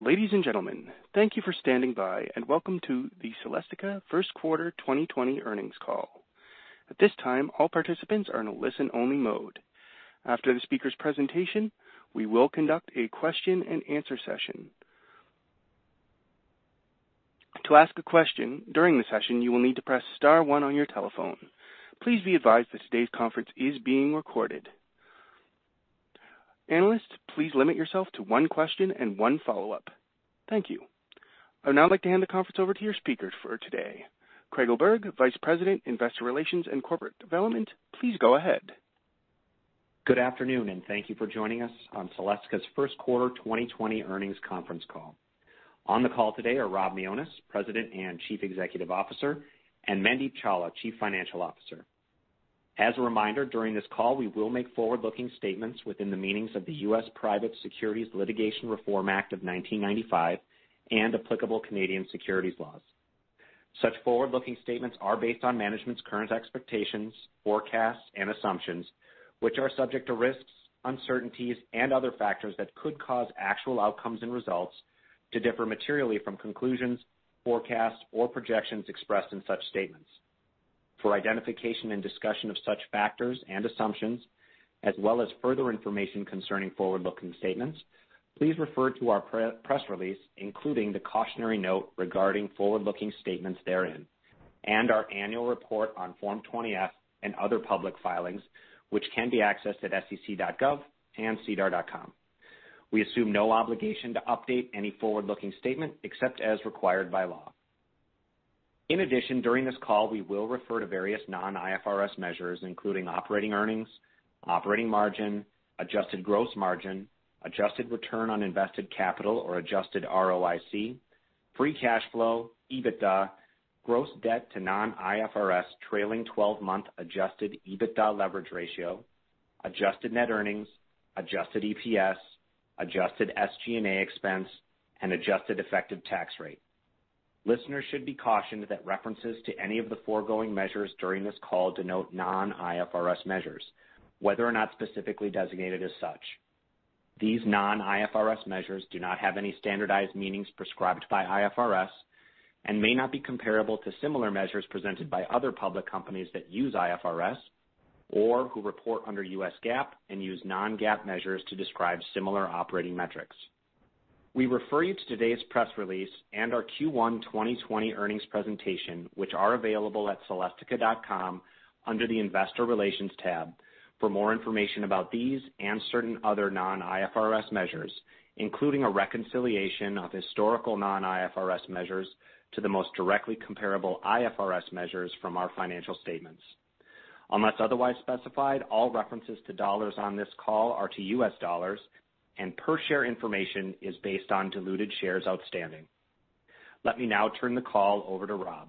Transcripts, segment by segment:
Ladies and gentlemen, thank you for standing by and welcome to the Celestica first quarter 2020 earnings call. At this time, all participants are in a listen-only mode. After the speaker's presentation, we will conduct a question and answer session. To ask a question during the session, you will need to press star one on your telephone. Please be advised that today's conference is being recorded. Analysts, please limit yourself to one question and one follow-up. Thank you. I would now like to hand the conference over to your speakers for today, Craig Oberg, Vice President, Investor Relations and Corporate Development. Please go ahead. Good afternoon, and thank you for joining us on Celestica's first quarter 2020 earnings conference call. On the call today are Rob Mionis, President and Chief Executive Officer, and Mandeep Chawla, Chief Financial Officer. As a reminder, during this call, we will make forward-looking statements within the meanings of the U.S. Private Securities Litigation Reform Act of 1995 and applicable Canadian securities laws. Such forward-looking statements are based on management's current expectations, forecasts, and assumptions, which are subject to risks, uncertainties, and other factors that could cause actual outcomes and results to differ materially from conclusions, forecasts, or projections expressed in such statements. For identification and discussion of such factors and assumptions, as well as further information concerning forward-looking statements, please refer to our press release, including the cautionary note regarding forward-looking statements therein, and our annual report on Form 20-F and other public filings, which can be accessed at sec.gov and sedar.com. We assume no obligation to update any forward-looking statement except as required by law. In addition, during this call, we will refer to various non-IFRS measures, including operating earnings, operating margin, adjusted gross margin, adjusted return on invested capital or adjusted ROIC, free cash flow, EBITDA, gross debt to non-IFRS trailing 12-month adjusted EBITDA leverage ratio, adjusted net earnings, adjusted EPS, adjusted SG&A expense, and adjusted effective tax rate. Listeners should be cautioned that references to any of the foregoing measures during this call denote non-IFRS measures, whether or not specifically designated as such. These non-IFRS measures do not have any standardized meanings prescribed by IFRS and may not be comparable to similar measures presented by other public companies that use IFRS or who report under U.S. GAAP and use non-GAAP measures to describe similar operating metrics. We refer you to today's press release and our Q1 2020 earnings presentation, which are available at celestica.com under the investor relations tab for more information about these and certain other non-IFRS measures, including a reconciliation of historical non-IFRS measures to the most directly comparable IFRS measures from our financial statements. Unless otherwise specified, all references to dollars on this call are to U.S. dollars, and per share information is based on diluted shares outstanding. Let me now turn the call over to Rob.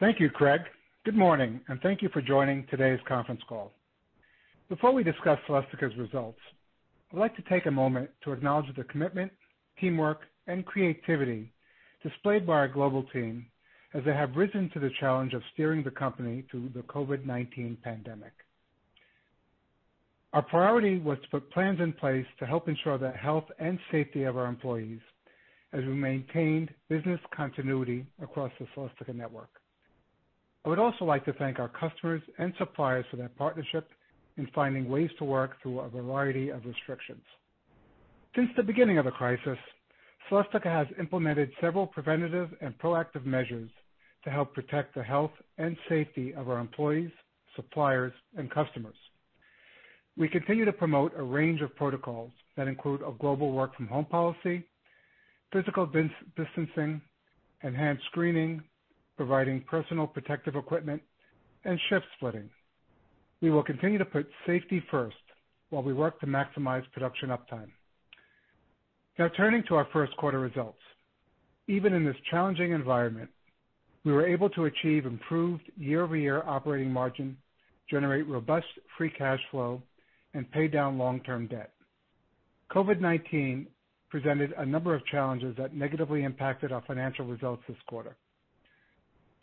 Thank you, Craig. Good morning, and thank you for joining today's conference call. Before we discuss Celestica's results, I'd like to take a moment to acknowledge the commitment, teamwork, and creativity displayed by our global team as they have risen to the challenge of steering the company through the COVID-19 pandemic. Our priority was to put plans in place to help ensure the health and safety of our employees as we maintained business continuity across the Celestica network. I would also like to thank our customers and suppliers for their partnership in finding ways to work through a variety of restrictions. Since the beginning of the crisis, Celestica has implemented several preventative and proactive measures to help protect the health and safety of our employees, suppliers, and customers. We continue to promote a range of protocols that include a global work from home policy, physical distancing, enhanced screening, providing personal protective equipment, and shift splitting. We will continue to put safety first while we work to maximize production uptime. Turning to our first quarter results. Even in this challenging environment, we were able to achieve improved year-over-year operating margin, generate robust free cash flow, and pay down long-term debt. COVID-19 presented a number of challenges that negatively impacted our financial results this quarter.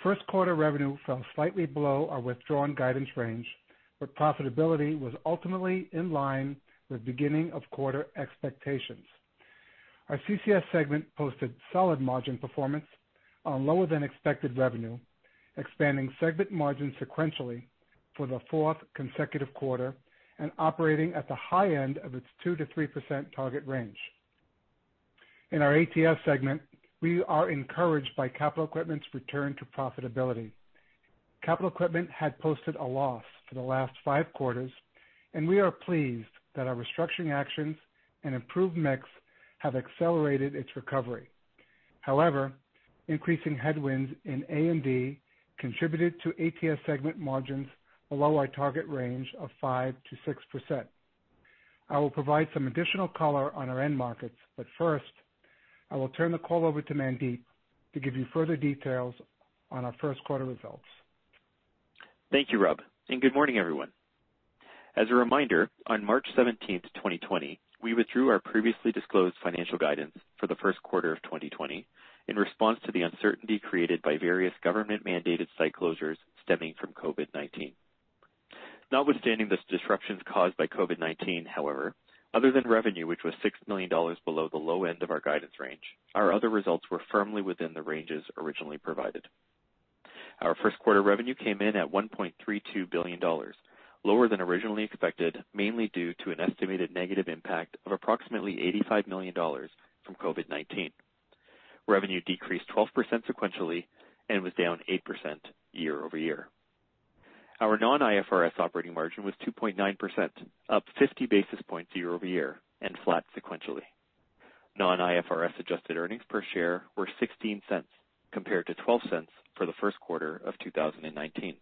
First quarter revenue fell slightly below our withdrawn guidance range, but profitability was ultimately in line with beginning of quarter expectations. Our CCS segment posted solid margin performance on lower than expected revenue, expanding segment margin sequentially for the fourth consecutive quarter and operating at the high end of its 2%-3% target range. In our ATS segment, we are encouraged by capital equipment's return to profitability. Capital equipment had posted a loss for the last five quarters, and we are pleased that our restructuring actions and improved mix have accelerated its recovery. Increasing headwinds in A&D contributed to ATS segment margins below our target range of 5%-6%. I will provide some additional color on our end markets, but first, I will turn the call over to Mandeep to give you further details on our first quarter results. Thank you, Rob. Good morning, everyone. As a reminder, on March 17th, 2020, we withdrew our previously disclosed financial guidance for the first quarter of 2020 in response to the uncertainty created by various government-mandated site closures stemming from COVID-19. Notwithstanding the disruptions caused by COVID-19, however, other than revenue, which was $6 million below the low end of our guidance range, our other results were firmly within the ranges originally provided. Our first quarter revenue came in at $1.32 billion, lower than originally expected, mainly due to an estimated negative impact of approximately $85 million from COVID-19. Revenue decreased 12% sequentially and was down 8% year-over-year. Our non-IFRS operating margin was 2.9%, up 50 basis points year-over-year and flat sequentially. Non-IFRS adjusted earnings per share were $0.16 compared to $0.12 for the first quarter of 2019.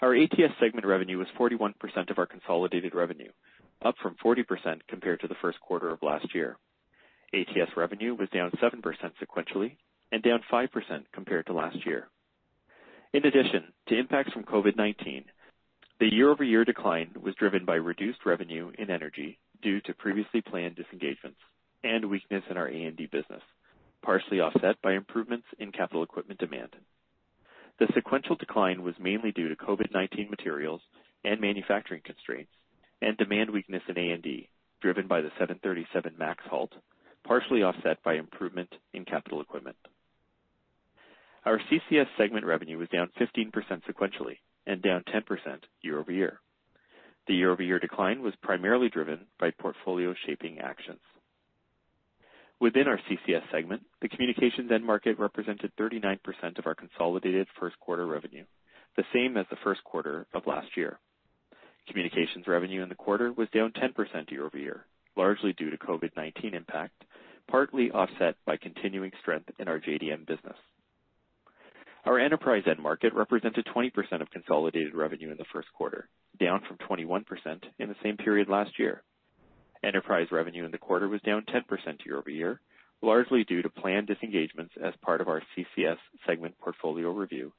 Our ATS segment revenue was 41% of our consolidated revenue, up from 40% compared to the first quarter of last year. ATS revenue was down 7% sequentially and down 5% compared to last year. In addition to impacts from COVID-19, the year-over-year decline was driven by reduced revenue in energy due to previously planned disengagements and weakness in our A&D business, partially offset by improvements in capital equipment demand. The sequential decline was mainly due to COVID-19 materials and manufacturing constraints and demand weakness in A&D, driven by the 737 MAX halt, partially offset by improvement in capital equipment. Our CCS segment revenue was down 15% sequentially and down 10% year-over-year. The year-over-year decline was primarily driven by portfolio shaping actions. Within our CCS segment, the communications end market represented 39% of our consolidated first quarter revenue, the same as the first quarter of last year. Communications revenue in the quarter was down 10% year-over-year, largely due to COVID-19 impact, partly offset by continuing strength in our JDM business. Our enterprise end market represented 20% of consolidated revenue in the first quarter, down from 21% in the same period last year. Enterprise revenue in the quarter was down 10% year-over-year, largely due to planned disengagements as part of our CCS segment portfolio review,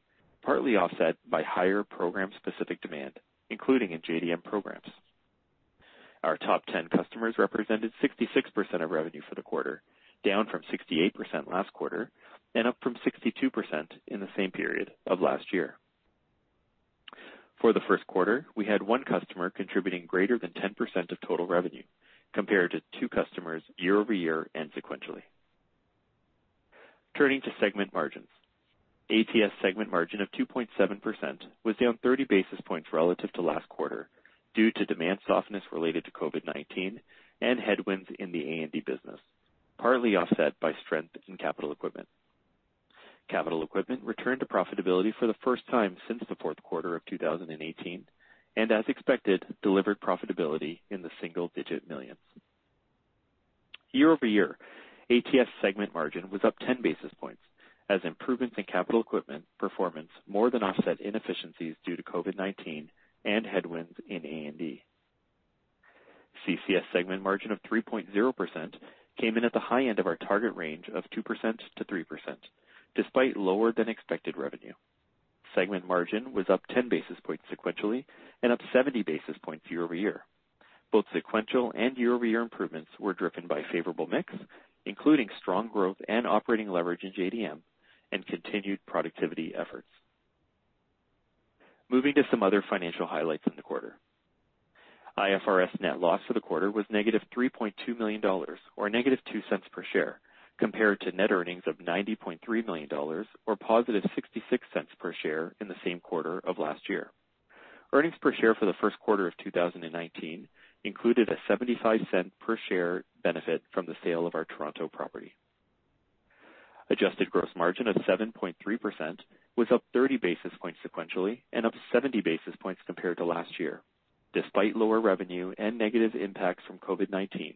partly offset by higher program-specific demand, including in JDM programs. Our top 10 customers represented 66% of revenue for the quarter, down from 68% last quarter and up from 62% in the same period of last year. For the first quarter, we had one customer contributing greater than 10% of total revenue compared to two customers year-over-year and sequentially. Turning to segment margins. ATS segment margin of 2.7% was down 30 basis points relative to last quarter due to demand softness related to COVID-19 and headwinds in the A&D business, partly offset by strength in capital equipment. Capital equipment returned to profitability for the first time since the fourth quarter of 2018 and, as expected, delivered profitability in the single-digit millions. Year-over-year, ATS segment margin was up 10 basis points as improvements in capital equipment performance more than offset inefficiencies due to COVID-19 and headwinds in A&D. CCS segment margin of 3.0% came in at the high end of our target range of 2%-3%, despite lower than expected revenue. Segment margin was up 10 basis points sequentially and up 70 basis points year-over-year. Both sequential and year-over-year improvements were driven by favorable mix, including strong growth and operating leverage in JDM and continued productivity efforts. Moving to some other financial highlights in the quarter. IFRS net loss for the quarter was -$3.2 million, or -$0.02 per share, compared to net earnings of $90.3 million, or positive $0.66 per share in the same quarter of last year. Earnings per share for the first quarter of 2019 included a $0.75 per share benefit from the sale of our Toronto property. Adjusted gross margin of 7.3% was up 30 basis points sequentially and up 70 basis points compared to last year. Despite lower revenue and negative impacts from COVID-19,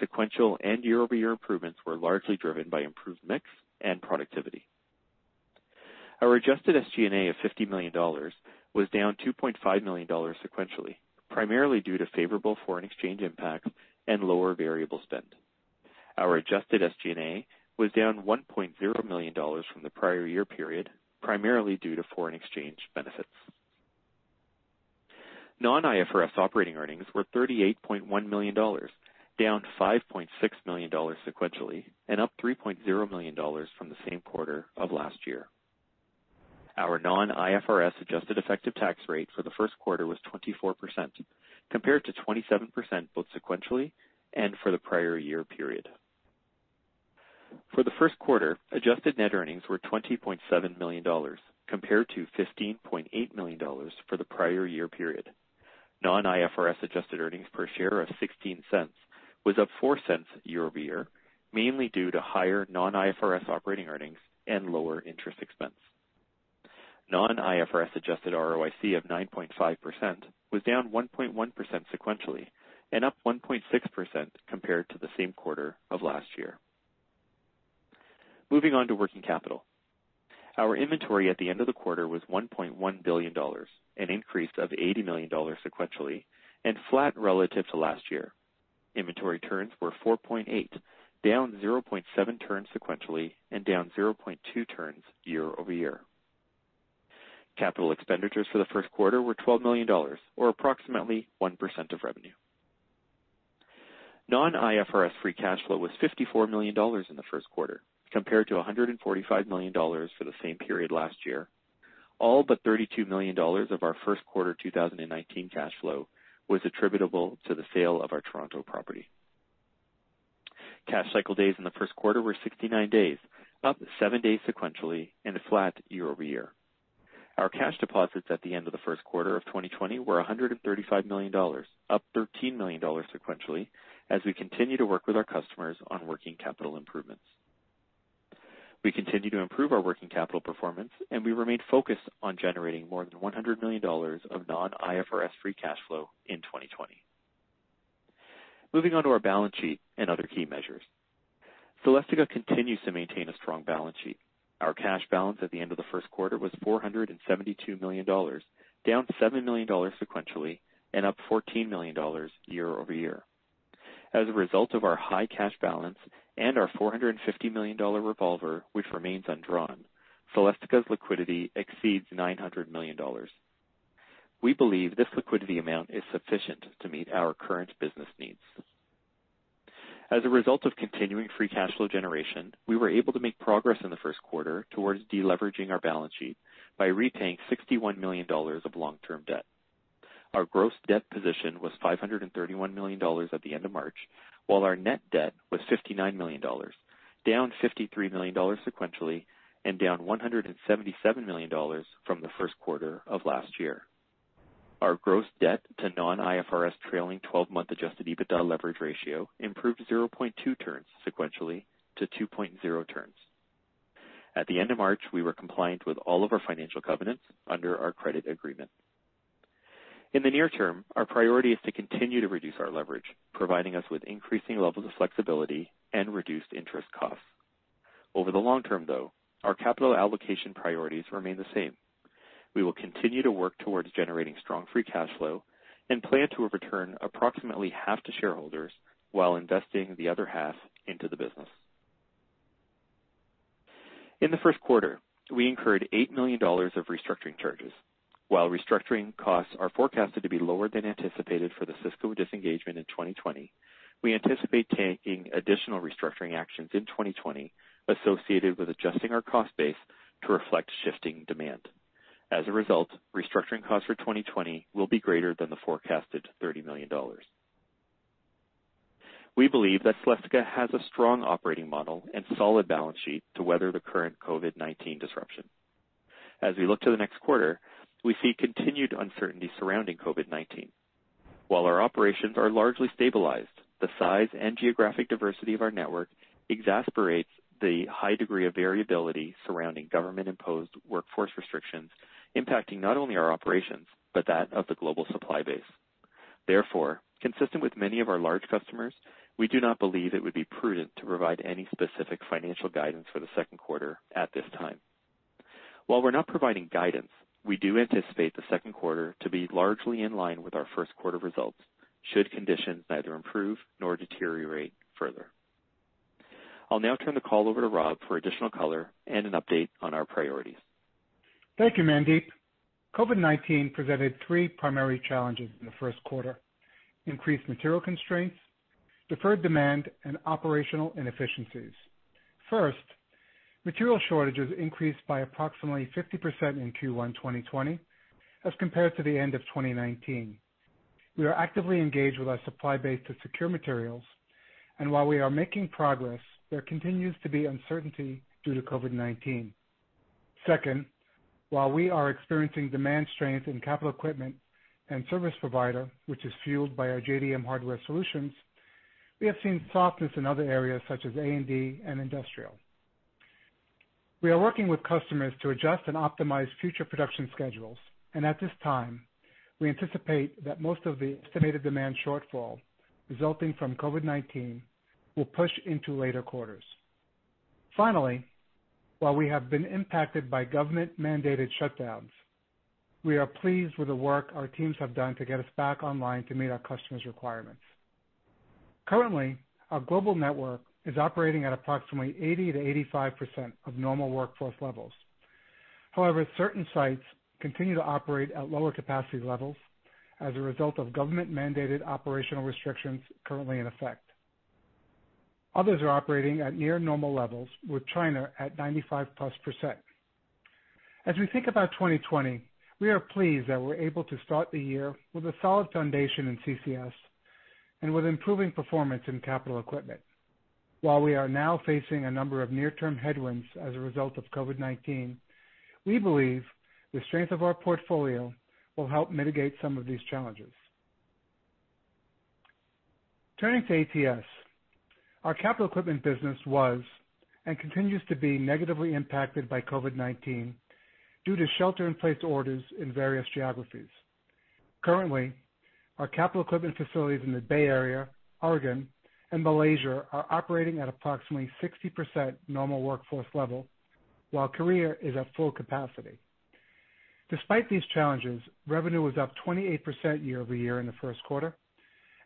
sequential and year-over-year improvements were largely driven by improved mix and productivity. Our adjusted SG&A of $50 million was down $2.5 million sequentially, primarily due to favorable foreign exchange impacts and lower variable spend. Our adjusted SG&A was down $1.0 million from the prior year period, primarily due to foreign exchange benefits. Non-IFRS operating earnings were $38.1 million, down $5.6 million sequentially and up $3.0 million from the same quarter of last year. Our non-IFRS adjusted effective tax rate for the first quarter was 24%, compared to 27% both sequentially and for the prior year period. For the first quarter, adjusted net earnings were $20.7 million compared to $15.8 million for the prior year period. Non-IFRS adjusted earnings per share of $0.16 was up $0.04 year-over-year, mainly due to higher non-IFRS operating earnings and lower interest expense. Non-IFRS adjusted ROIC of 9.5% was down 1.1% sequentially and up 1.6% compared to the same quarter of last year. Moving on to working capital. Our inventory at the end of the quarter was $1.1 billion, an increase of $80 million sequentially and flat relative to last year. Inventory turns were 4.8, down 0.7 turns sequentially and down 0.2 turns year-over-year. Capital expenditures for the first quarter were $12 million, or approximately 1% of revenue. Non-IFRS free cash flow was $54 million in the first quarter, compared to $145 million for the same period last year. All but $32 million of our first quarter 2019 cash flow was attributable to the sale of our Toronto property. Cash cycle days in the first quarter were 69 days, up seven days sequentially, and flat year-over-year. Our cash deposits at the end of the first quarter of 2020 were $135 million, up $13 million sequentially, as we continue to work with our customers on working capital improvements. We continue to improve our working capital performance, and we remain focused on generating more than $100 million of non-IFRS free cash flow in 2020. Moving on to our balance sheet and other key measures. Celestica continues to maintain a strong balance sheet. Our cash balance at the end of the first quarter was $472 million, down $7 million sequentially and up $14 million year-over-year. As a result of our high cash balance and our $450 million revolver, which remains undrawn, Celestica's liquidity exceeds $900 million. We believe this liquidity amount is sufficient to meet our current business needs. As a result of continuing free cash flow generation, we were able to make progress in the first quarter towards deleveraging our balance sheet by repaying $61 million of long-term debt. Our gross debt position was $531 million at the end of March, while our net debt was $59 million, down $53 million sequentially and down $177 million from the first quarter of last year. Our gross debt to non-IFRS trailing 12-month adjusted EBITDA leverage ratio improved 0.2 turns sequentially to 2.0 turns. At the end of March, we were compliant with all of our financial covenants under our credit agreement. In the near term, our priority is to continue to reduce our leverage, providing us with increasing levels of flexibility and reduced interest costs. Over the long term, though, our capital allocation priorities remain the same. We will continue to work towards generating strong free cash flow and plan to return approximately half to shareholders while investing the other half into the business. In the first quarter, we incurred $8 million of restructuring charges. While restructuring costs are forecasted to be lower than anticipated for the Cisco disengagement in 2020, we anticipate taking additional restructuring actions in 2020 associated with adjusting our cost base to reflect shifting demand. Restructuring costs for 2020 will be greater than the forecasted $30 million. We believe that Celestica has a strong operating model and solid balance sheet to weather the current COVID-19 disruption. As we look to the next quarter, we see continued uncertainty surrounding COVID-19. While our operations are largely stabilized, the size and geographic diversity of our network exacerbates the high degree of variability surrounding government-imposed workforce restrictions, impacting not only our operations, but that of the global supply base. Consistent with many of our large customers, we do not believe it would be prudent to provide any specific financial guidance for the second quarter at this time. While we're not providing guidance, we do anticipate the second quarter to be largely in line with our first quarter results should conditions neither improve nor deteriorate further. I'll now turn the call over to Rob for additional color and an update on our priorities. Thank you, Mandeep. COVID-19 presented three primary challenges in the first quarter: increased material constraints, deferred demand, and operational inefficiencies. First, material shortages increased by approximately 50% in Q1 2020 as compared to the end of 2019. We are actively engaged with our supply base to secure materials, and while we are making progress, there continues to be uncertainty due to COVID-19. Second, while we are experiencing demand strength in capital equipment and service provider, which is fueled by our JDM hardware solutions, we have seen softness in other areas such as A&D and industrial. At this time, we anticipate that most of the estimated demand shortfall resulting from COVID-19 will push into later quarters. While we have been impacted by government-mandated shutdowns, we are pleased with the work our teams have done to get us back online to meet our customers' requirements. Currently, our global network is operating at approximately 80%-85% of normal workforce levels. However, certain sites continue to operate at lower capacity levels as a result of government-mandated operational restrictions currently in effect. Others are operating at near normal levels, with China at 95%+. As we think about 2020, we are pleased that we're able to start the year with a solid foundation in CCS and with improving performance in capital equipment. While we are now facing a number of near-term headwinds as a result of COVID-19, we believe the strength of our portfolio will help mitigate some of these challenges. Turning to ATS, our capital equipment business was and continues to be negatively impacted by COVID-19 due to shelter-in-place orders in various geographies. Currently, our capital equipment facilities in the Bay Area, Oregon, and Malaysia are operating at approximately 60% normal workforce level, while Korea is at full capacity. Despite these challenges, revenue was up 28% year-over-year in the first quarter,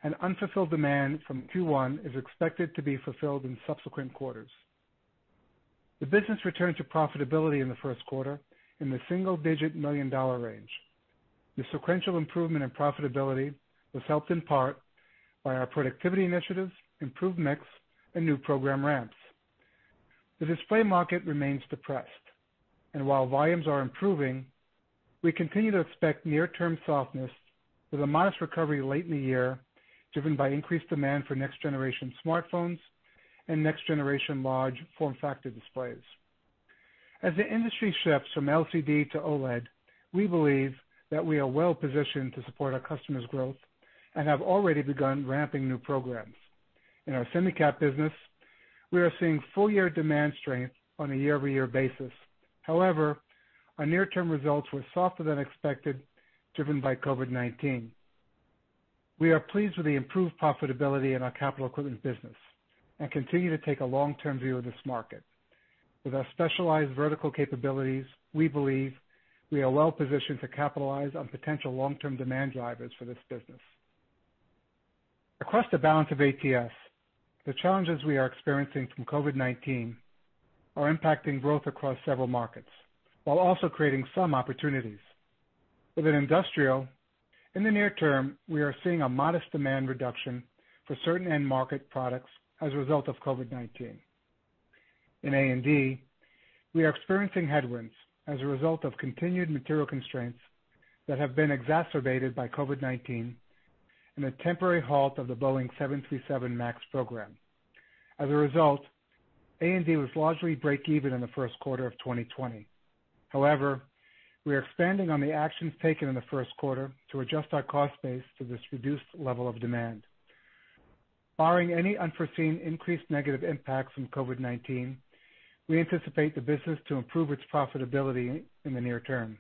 and unfulfilled demand from Q1 is expected to be fulfilled in subsequent quarters. The business returned to profitability in the first quarter in the single-digit million-dollar range. The sequential improvement in profitability was helped in part by our productivity initiatives, improved mix, and new program ramps. The display market remains depressed, and while volumes are improving, we continue to expect near-term softness with a modest recovery late in the year, driven by increased demand for next-generation smartphones and next-generation large form factor displays. As the industry shifts from LCD to OLED, we believe that we are well-positioned to support our customers' growth and have already begun ramping new programs. In our Semicap business, we are seeing full-year demand strength on a year-over-year basis. Our near-term results were softer than expected, driven by COVID-19. We are pleased with the improved profitability in our capital equipment business and continue to take a long-term view of this market. With our specialized vertical capabilities, we believe we are well-positioned to capitalize on potential long-term demand drivers for this business. Across the balance of ATS, the challenges we are experiencing from COVID-19 are impacting growth across several markets, while also creating some opportunities. Within industrial, in the near term, we are seeing a modest demand reduction for certain end market products as a result of COVID-19. In A&D, we are experiencing headwinds as a result of continued material constraints that have been exacerbated by COVID-19 and a temporary halt of the Boeing 737 MAX program. As a result, A&D was largely break even in the first quarter of 2020. However, we are expanding on the actions taken in the first quarter to adjust our cost base to this reduced level of demand. Barring any unforeseen increased negative impacts from COVID-19, we anticipate the business to improve its profitability in the near term.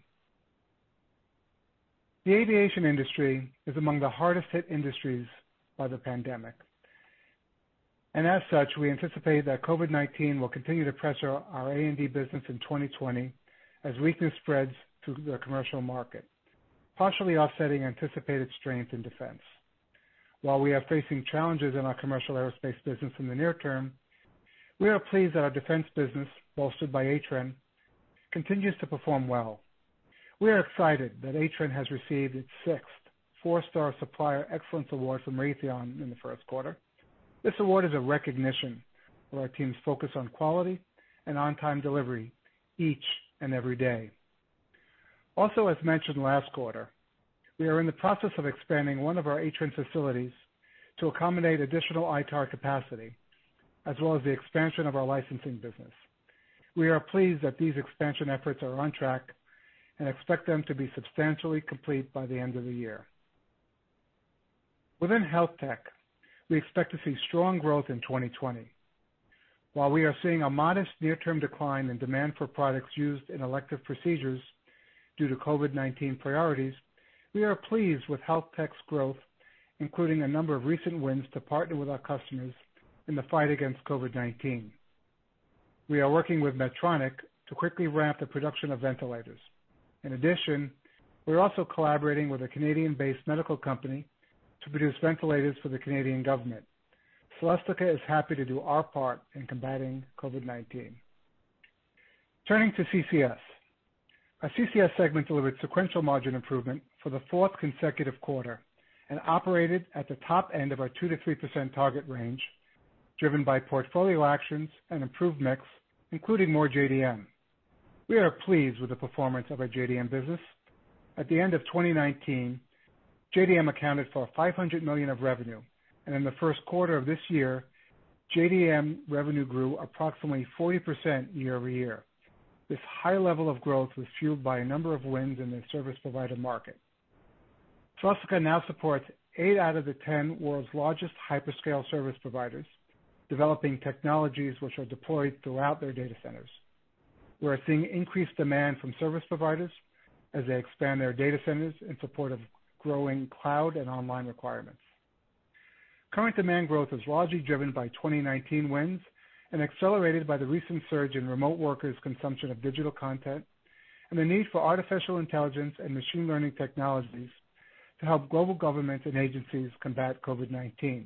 The aviation industry is among the hardest hit industries by the pandemic. As such, we anticipate that COVID-19 will continue to pressure our A&D business in 2020 as weakness spreads to the commercial market, partially offsetting anticipated strength in defense. While we are facing challenges in our commercial aerospace business in the near term, we are pleased that our defense business, bolstered by Atrenne, continues to perform well. We are excited that Atrenne has received its sixth 4-Star Supplier Excellence Award from Raytheon in the first quarter. This award is a recognition for our team's focus on quality and on-time delivery each and every day. Also, as mentioned last quarter, we are in the process of expanding one of our Atrenne facilities to accommodate additional ITAR capacity, as well as the expansion of our licensing business. We are pleased that these expansion efforts are on track and expect them to be substantially complete by the end of the year. Within HealthTech, we expect to see strong growth in 2020. While we are seeing a modest near-term decline in demand for products used in elective procedures due to COVID-19 priorities, we are pleased with HealthTech's growth, including a number of recent wins to partner with our customers in the fight against COVID-19. We are working with Medtronic to quickly ramp the production of ventilators. In addition, we're also collaborating with a Canadian-based medical company to produce ventilators for the Canadian government. Celestica is happy to do our part in combating COVID-19. Turning to CCS. Our CCS segment delivered sequential margin improvement for the fourth consecutive quarter and operated at the top end of our 2%-3% target range, driven by portfolio actions and improved mix, including more JDM. We are pleased with the performance of our JDM business. At the end of 2019, JDM accounted for $500 million of revenue, and in the first quarter of this year, JDM revenue grew approximately 40% year-over-year. This high level of growth was fueled by a number of wins in the service provider market. Celestica now supports eight out of the 10 world's largest hyperscale service providers, developing technologies which are deployed throughout their data centers. We are seeing increased demand from service providers as they expand their data centers in support of growing cloud and online requirements. Current demand growth is largely driven by 2019 wins and accelerated by the recent surge in remote workers' consumption of digital content and the need for artificial intelligence and machine learning technologies to help global governments and agencies combat COVID-19.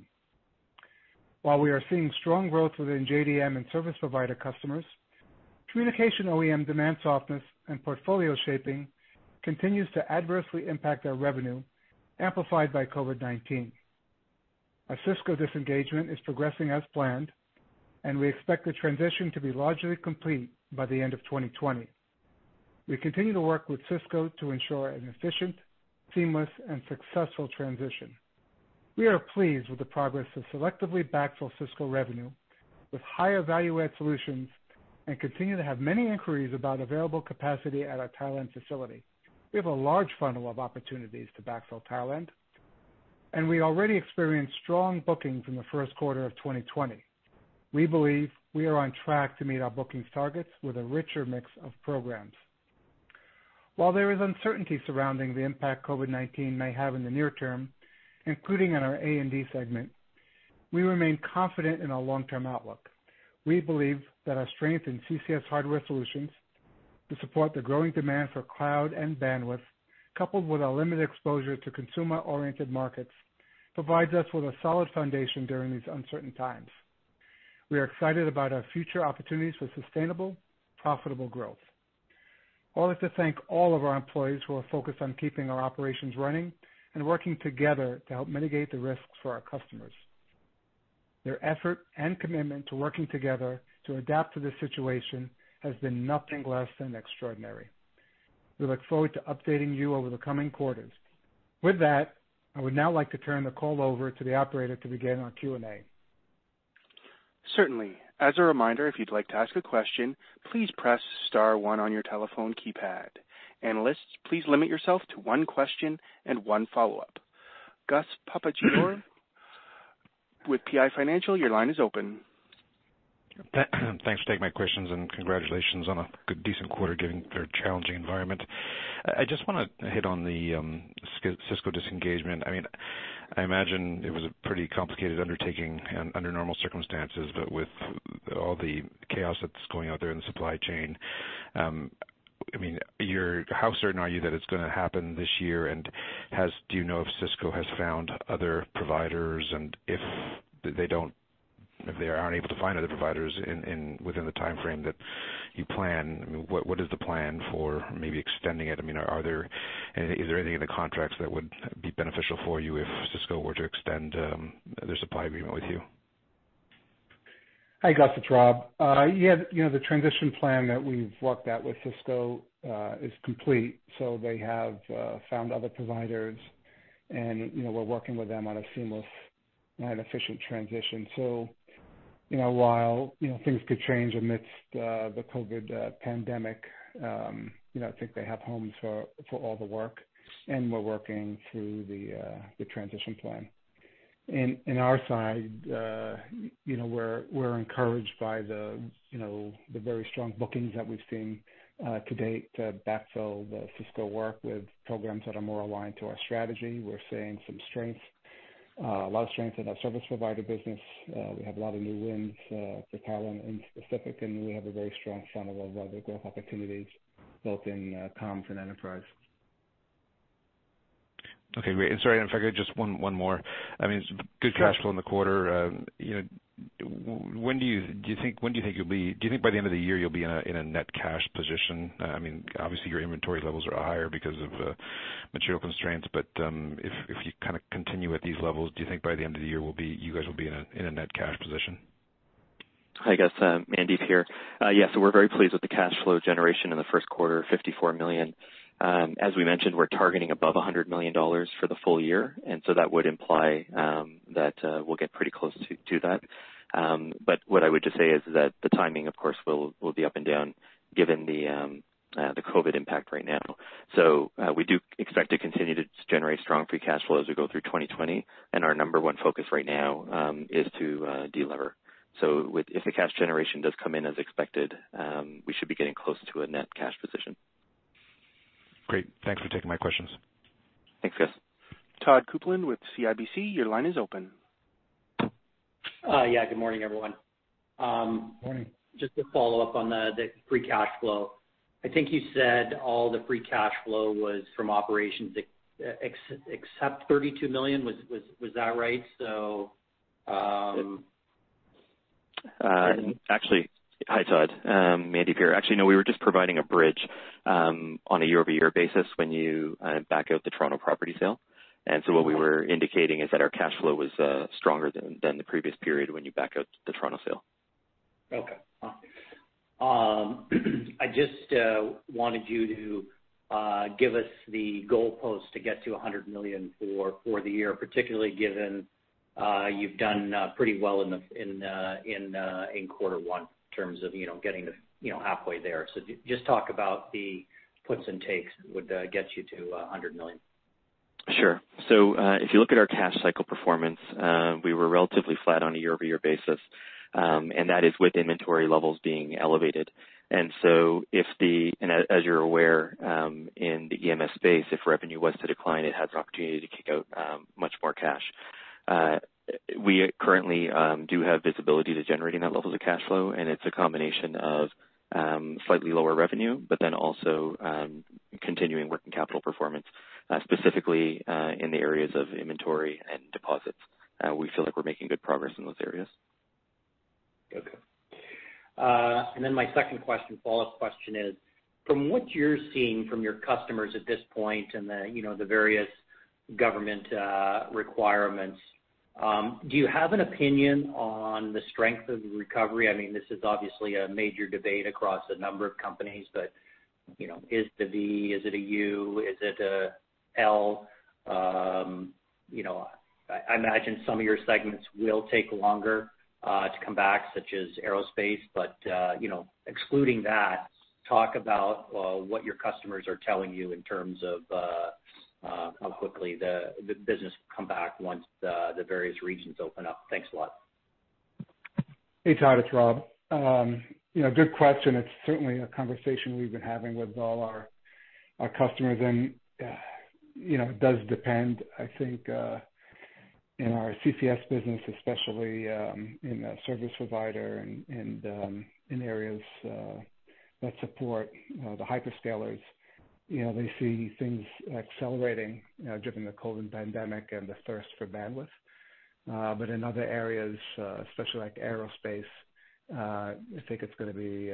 While we are seeing strong growth within JDM and service provider customers, communication OEM demand softness and portfolio shaping continues to adversely impact our revenue, amplified by COVID-19. Our Cisco disengagement is progressing as planned, and we expect the transition to be largely complete by the end of 2020. We continue to work with Cisco to ensure an efficient, seamless, and successful transition. We are pleased with the progress of selectively backfill Cisco revenue with higher value-add solutions and continue to have many inquiries about available capacity at our Thailand facility. We have a large funnel of opportunities to backfill Thailand, and we already experienced strong bookings in the first quarter of 2020. We believe we are on track to meet our bookings targets with a richer mix of programs. While there is uncertainty surrounding the impact COVID-19 may have in the near term, including on our A&D segment, we remain confident in our long-term outlook. We believe that our strength in CCS hardware solutions. To support the growing demand for cloud and bandwidth, coupled with our limited exposure to consumer-oriented markets, provides us with a solid foundation during these uncertain times. We are excited about our future opportunities for sustainable, profitable growth. I'd like to thank all of our employees who are focused on keeping our operations running and working together to help mitigate the risks for our customers. Their effort and commitment to working together to adapt to this situation has been nothing less than extraordinary. We look forward to updating you over the coming quarters. With that, I would now like to turn the call over to the operator to begin our Q&A. Certainly. As a reminder, if you'd like to ask a question, please press star one on your telephone keypad. Analysts, please limit yourself to one question and one follow-up. Gus Papageorgiou with PI Financial, your line is open. Thanks for taking my questions. Congratulations on a good, decent quarter, given the challenging environment. I just want to hit on the Cisco disengagement. I imagine it was a pretty complicated undertaking under normal circumstances, but with all the chaos that's going out there in the supply chain, how certain are you that it's going to happen this year? Do you know if Cisco has found other providers, and if they aren't able to find other providers within the timeframe that you plan, what is the plan for maybe extending it? Is there anything in the contracts that would be beneficial for you if Cisco were to extend their supply agreement with you? Hi, Gus. It's Rob. Yeah. The transition plan that we've worked out with Cisco is complete. They have found other providers, and we're working with them on a seamless and efficient transition. While things could change amidst the COVID-19 pandemic, I think they have homes for all the work, and we're working through the transition plan. On our side, we're encouraged by the very strong bookings that we've seen to date to backfill the Cisco work with programs that are more aligned to our strategy. We're seeing a lot of strength in our service provider business. We have a lot of new wins for Atrenne in specific, and we have a very strong funnel of other growth opportunities both in comms and enterprise. Okay, Great. Sorry, and if I could, just one more. Sure. Good cash flow in the quarter. Do you think by the end of the year you'll be in a net cash position? Obviously, your inventory levels are higher because of material constraints, but if you continue at these levels, do you think by the end of the year you guys will be in a net cash position? Hi, Gus. Mandeep here. We're very pleased with the cash flow generation in the first quarter, $54 million. As we mentioned, we're targeting above $100 million for the full year, that would imply that we'll get pretty close to that. What I would just say is that the timing, of course, will be up and down given the COVID impact right now. We do expect to continue to generate strong free cash flow as we go through 2020, and our number one focus right now is to de-lever. If the cash generation does come in as expected, we should be getting close to a net cash position. Great. Thanks for taking my questions. Thanks, Gus. Todd Coupland with CIBC, your line is open. Yeah, good morning, everyone. Morning. Just to follow up on the free cash flow. I think you said all the free cash flow was from operations except $32 million. Was that right? Actually Hi, Todd. Mandeep here. Actually, no, we were just providing a bridge on a year-over-year basis when you back out the Toronto property sale. What we were indicating is that our cash flow was stronger than the previous period when you back out the Toronto sale. Okay. I just wanted you to give us the goalpost to get to $100 million for the year, particularly given you've done pretty well in Quarter One in terms of getting halfway there. Just talk about the puts and takes that would get you to $100 million. Sure. If you look at our cash cycle performance, we were relatively flat on a year-over-year basis, and that is with inventory levels being elevated. As you're aware, in the EMS space, if revenue was to decline, it has an opportunity to kick out much more cash. We currently do have visibility to generating that levels of cash flow, and it's a combination of slightly lower revenue, but then also continuing working capital performance, specifically, in the areas of inventory and deposits. We feel like we're making good progress in those areas. Okay. My second question, follow-up question is, from what you're seeing from your customers at this point and the various government requirements, do you have an opinion on the strength of the recovery? This is obviously a major debate across a number of companies, but is it a V? Is it a U? Is it a L? I imagine some of your segments will take longer to come back, such as aerospace. Excluding that, talk about what your customers are telling you in terms of how quickly the business will come back once the various regions open up. Thanks a lot. Hey, Todd. It's Rob. Good question. It's certainly a conversation we've been having with all our customers, and it does depend, I think, in our CCS business, especially in the service provider and in areas that support the hyperscalers, they see things accelerating during the COVID-19 pandemic and the thirst for bandwidth. In other areas, especially like aerospace, I think it's going to be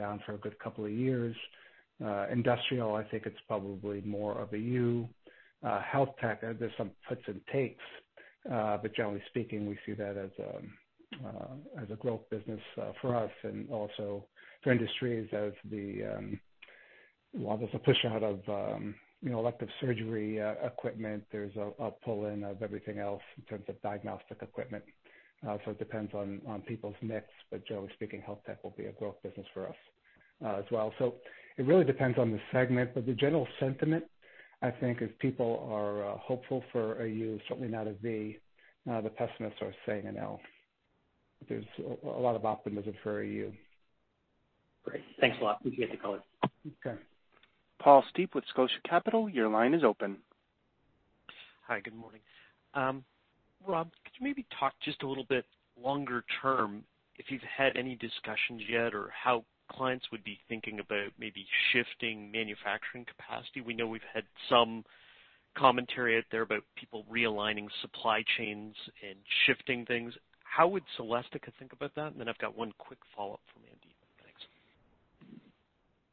down for a good couple of years. Industrial, I think it's probably more of a U. HealthTech, there's some puts and takes. Generally speaking, we see that as a growth business for us and also for industries. While there's a push out of elective surgery equipment, there's a pull in of everything else in terms of diagnostic equipment. It depends on people's mix, but generally speaking, HealthTech will be a growth business for us as well. It really depends on the segment. The general sentiment, I think, is people are hopeful for a U, certainly not a V. The pessimists are saying an L. There's a lot of optimism for a U. Great. Thanks a lot. Appreciate the color. Okay. Paul Steep with Scotia Capital, your line is open. Hi, good morning. Rob, could you maybe talk just a little bit longer term if you've had any discussions yet or how clients would be thinking about maybe shifting manufacturing capacity? We know we've had some commentary out there about people realigning supply chains and shifting things. How would Celestica think about that? Then I've got one quick follow-up for Mandeep.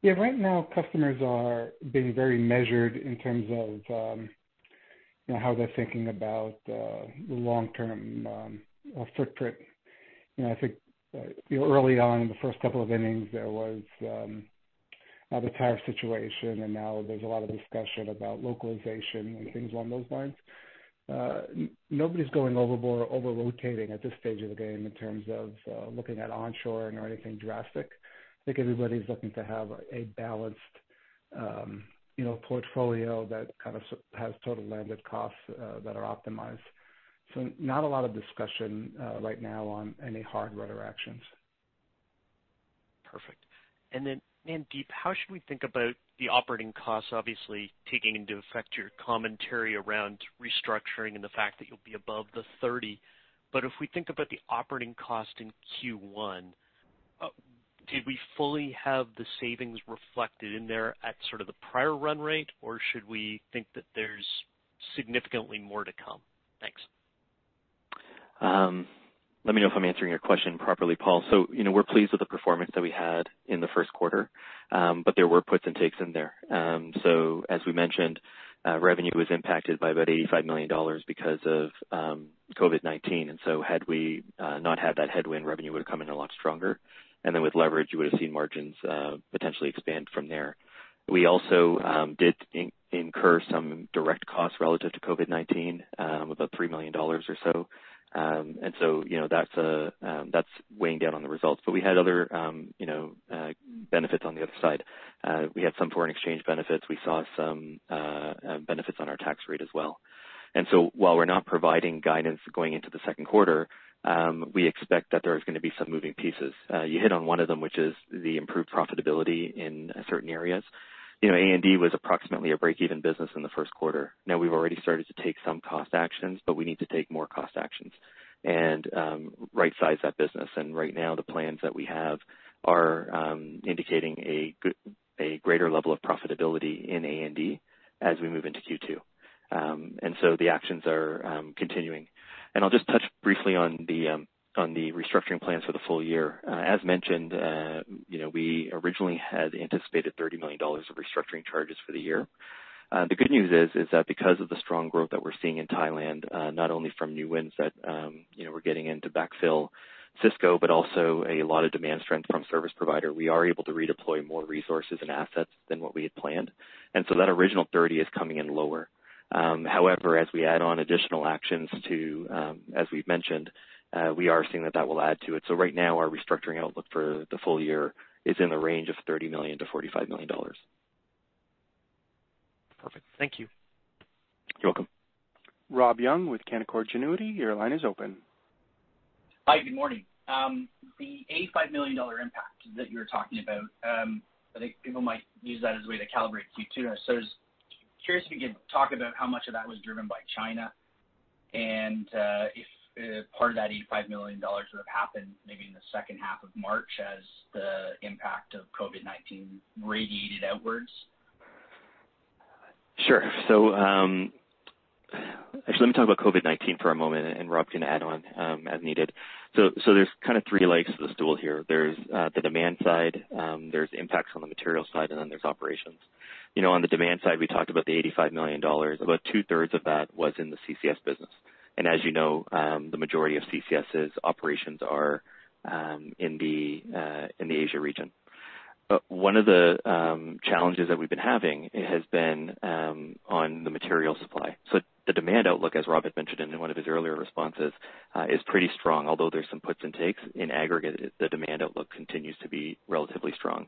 Thanks. Right now, customers are being very measured in terms of how they're thinking about the long-term footprint. I think early on in the first couple of innings, there was the tariff situation, and now there's a lot of discussion about localization and things along those lines. Nobody's going overboard over-rotating at this stage of the game in terms of looking at onshoring or anything drastic. I think everybody's looking to have a balanced portfolio that has total landed costs that are optimized. Not a lot of discussion right now on any hard rudder actions. Perfect. Then Mandeep, how should we think about the operating costs, obviously taking into effect your commentary around restructuring and the fact that you'll be above the $30 million. If we think about the operating cost in Q1, did we fully have the savings reflected in there at sort of the prior run rate, or should we think that there's significantly more to come? Thanks. Let me know if I'm answering your question properly, Paul. We're pleased with the performance that we had in the first quarter, but there were puts and takes in there. As we mentioned, revenue was impacted by about $85 million because of COVID-19. Had we not had that headwind, revenue would've come in a lot stronger. With leverage, you would've seen margins potentially expand from there. We also did incur some direct costs relative to COVID-19, about $3 million or so. That's weighing down on the results. We had other benefits on the other side. We had some foreign exchange benefits. We saw some benefits on our tax rate as well. While we're not providing guidance going into the second quarter, we expect that there is going to be some moving pieces. You hit on one of them, which is the improved profitability in certain areas. A&D was approximately a break-even business in the first quarter. We've already started to take some cost actions, but we need to take more cost actions and rightsize that business. Right now, the plans that we have are indicating a greater level of profitability in A&D as we move into Q2. The actions are continuing. I'll just touch briefly on the restructuring plans for the full year. As mentioned, we originally had anticipated $30 million of restructuring charges for the year. The good news is that because of the strong growth that we're seeing in Thailand, not only from new wins that we're getting in to backfill Cisco, but also a lot of demand strength from service provider, we are able to redeploy more resources and assets than what we had planned. That original $30 million is coming in lower. However, as we add on additional actions to, as we've mentioned, we are seeing that that will add to it. Right now, our restructuring outlook for the full year is in the range of $30 million-$45 million. Perfect. Thank you. You're welcome. Robert Young with Canaccord Genuity, your line is open. Hi, good morning. The $85 million impact that you were talking about, I think people might use that as a way to calibrate Q2. I was curious if you could talk about how much of that was driven by China and if part of that $85 million would've happened maybe in the second half of March as the impact of COVID-19 radiated outwards. Sure. Actually, let me talk about COVID-19 for a moment, and Rob can add on as needed. There's kind of three legs to the stool here. There's the demand side, there's impacts on the material side, and then there's operations. On the demand side, we talked about the $85 million. About two-thirds of that was in the CCS business. As you know, the majority of CCS' operations are in the Asia region. One of the challenges that we've been having has been on the material supply. The demand outlook, as Rob had mentioned in one of his earlier responses, is pretty strong. Although there's some puts and takes, in aggregate, the demand outlook continues to be relatively strong.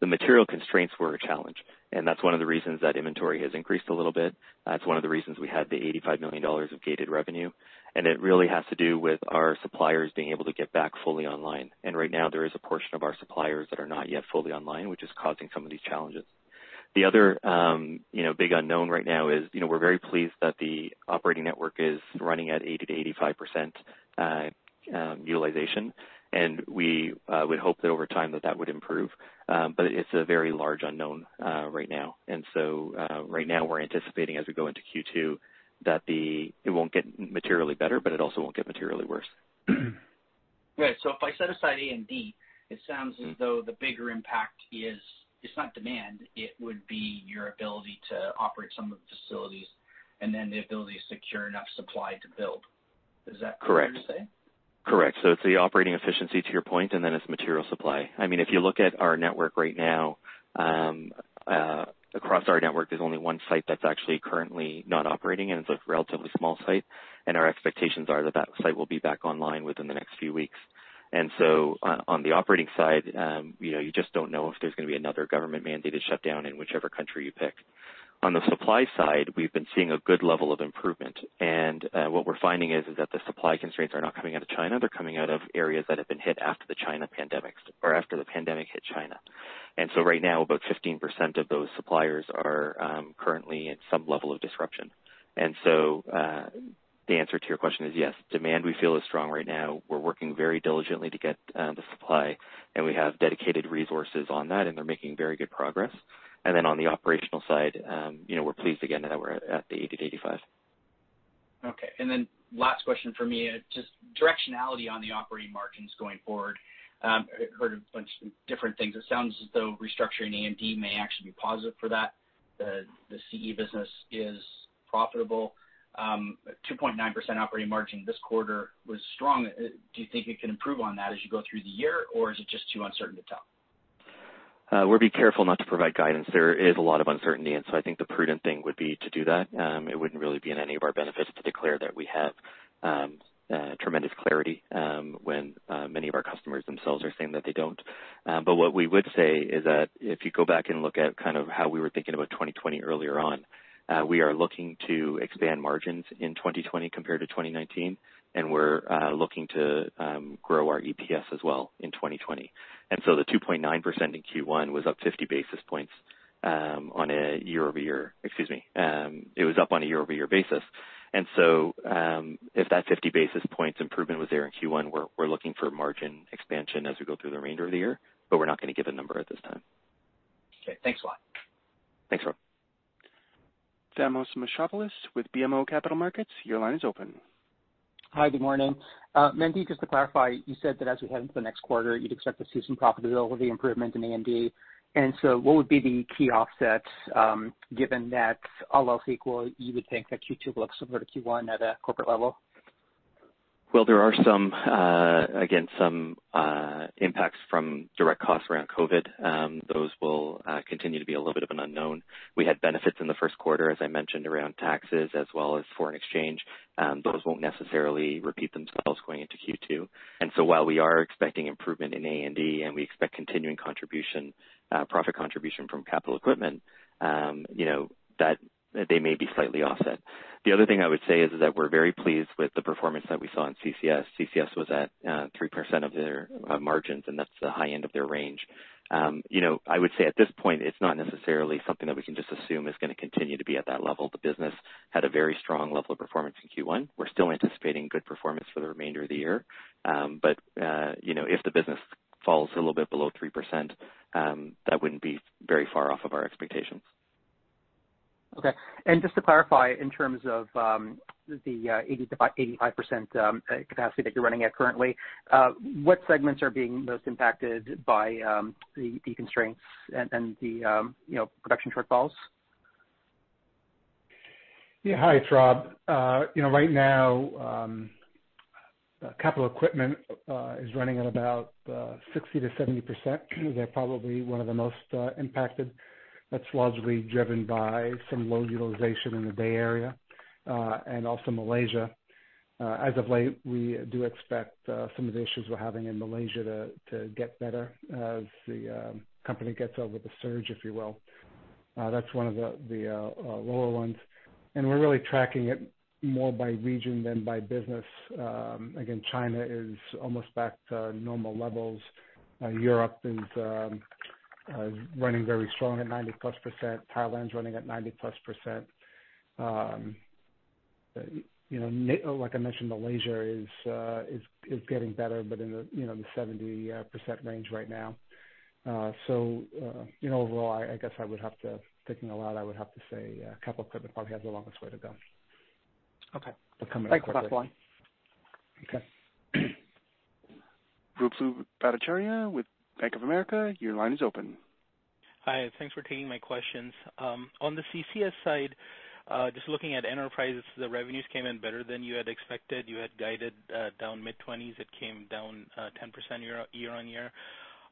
The material constraints were a challenge, and that's one of the reasons that inventory has increased a little bit. That's one of the reasons we had the $85 million of gated revenue. It really has to do with our suppliers being able to get back fully online. Right now, there is a portion of our suppliers that are not yet fully online, which is causing some of these challenges. The other big unknown right now is we're very pleased that the operating network is running at 80%-85% utilization, and we would hope that over time that would improve. It's a very large unknown right now. Right now, we're anticipating as we go into Q2 that it won't get materially better, but it also won't get materially worse. Right. If I set aside A&D, it sounds as though the bigger impact is not demand, it would be your ability to operate some of the facilities, and then the ability to secure enough supply to build. Is that fair to say? Correct. It's the operating efficiency to your point, and then it's material supply. If you look at our network right now, across our network, there's only one site that's actually currently not operating, and it's a relatively small site, and our expectations are that site will be back online within the next few weeks. On the operating side, you just don't know if there's going to be another government-mandated shutdown in whichever country you pick. On the supply side, we've been seeing a good level of improvement. What we're finding is that the supply constraints are not coming out of China. They're coming out of areas that have been hit after the pandemic hit China. Right now, about 15% of those suppliers are currently at some level of disruption. The answer to your question is, yes. Demand, we feel, is strong right now. We're working very diligently to get the supply, and we have dedicated resources on that, and they're making very good progress. On the operational side, we're pleased again that we're at the 80%-85%. Okay. Last question from me, just directionality on the operating margins going forward. I heard a bunch of different things. It sounds as though restructuring A&D may actually be positive for that. The CE business is profitable. 2.9% operating margin this quarter was strong. Do you think it can improve on that as you go through the year, or is it just too uncertain to tell? We'll be careful not to provide guidance. There is a lot of uncertainty. I think the prudent thing would be to do that. It wouldn't really be in any of our benefits to declare that we have tremendous clarity, when many of our customers themselves are saying that they don't. What we would say is that if you go back and look at how we were thinking about 2020 earlier on, we are looking to expand margins in 2020 compared to 2019, and we're looking to grow our EPS as well in 2020. The 2.9% in Q1 was up 50 basis points on a year-over-year-- excuse me, it was up on a year-over-year basis. If that 50 basis points improvement was there in Q1, we're looking for margin expansion as we go through the remainder of the year, but we're not going to give a number at this time. Okay. Thanks a lot. Thanks, Rob. Thanos Moschopoulos with BMO Capital Markets, your line is open. Hi, good morning. Mandeep, just to clarify, you said that as we head into the next quarter, you'd expect to see some profitability improvement in A&D. What would be the key offsets, given that all else equal, you would think that Q2 will look similar to Q1 at a corporate level? There are, again, some impacts from direct costs around COVID. Those will continue to be a little bit of an unknown. We had benefits in the first quarter, as I mentioned, around taxes as well as foreign exchange. Those won't necessarily repeat themselves going into Q2. While we are expecting improvement in A&D and we expect continuing profit contribution from capital equipment, they may be slightly offset. The other thing I would say is that we're very pleased with the performance that we saw in CCS. CCS was at 3% of their margins, and that's the high end of their range. I would say at this point, it's not necessarily something that we can just assume is going to continue to be at that level. The business had a very strong level of performance in Q1. We're still anticipating good performance for the remainder of the year. If the business falls a little bit below 3%, that wouldn't be very far off of our expectations. Okay. Just to clarify, in terms of the 80%-85% capacity that you're running at currently, what segments are being most impacted by the constraints and the production shortfalls? Hi, it's Rob. Right now, capital equipment is running at about 60%-70%. They're probably one of the most impacted. That's largely driven by some low utilization in the Bay Area, and also Malaysia. As of late, we do expect some of the issues we're having in Malaysia to get better as the company gets over the surge, if you will. That's one of the lower ones. We're really tracking it more by region than by business. Again, China is almost back to normal levels. Europe is running very strong at 90%+. Thailand's running at 90%+. Like I mentioned, Malaysia is getting better, but in the 70% range right now. Overall, I guess thinking aloud, I would have to say capital equipment probably has the longest way to go. Okay. Coming up quickly. Thanks. Last one. Okay. Ruplu Bhattacharya with Bank of America, your line is open. Hi. Thanks for taking my questions. On the CCS side, just looking at enterprise, the revenues came in better than you had expected. You had guided down mid-20s. It came down 10% year-over-year.